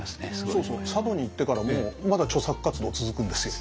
そうそう佐渡に行ってからもまだ著作活動続くんですよ。